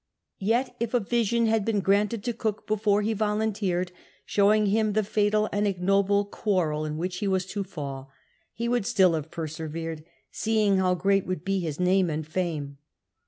Yet if a vision had been granted to Cook before he volunteered, showing him the fatal and ignoble quarrel in which he was to fall, ho would still have persevered, seeing how great would be his name and fame.